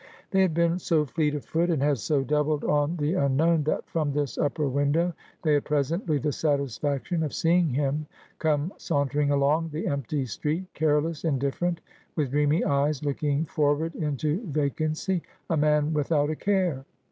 They had been so fleet of foot, and had so doubled on the un known, that, from this upper window, they had presently the satisfaction of seeing him come sauntering along the empty street, careless, indifferent, with dreamy eyes looking forward into vacancy, a man without a care.